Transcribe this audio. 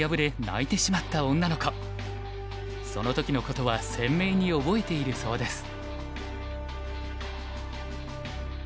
その時のことは鮮明に覚えているそうです。